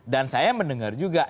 dan saya mendengar juga